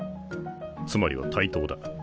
つまりは対等だ。